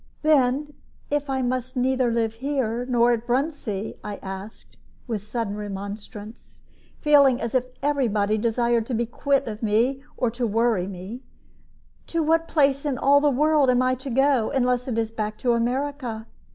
"Then if I must neither live here nor at Bruntsea," I asked, with sudden remonstrance, feeling as if every body desired to be quit of me or to worry me, "to what place in all the world am I to go, unless it is back to America?